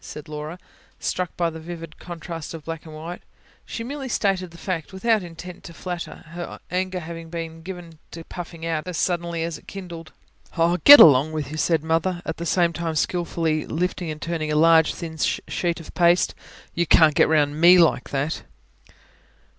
said Laura, struck by the vivid contrast of black and white. She merely stated the fact, without intent to flatter, her anger being given to puffing out as suddenly as it kindled. "Oh, get along with you!" said Mother, at the same time skilfully lifting and turning a large, thin sheet of paste. "You can't get round ME like that."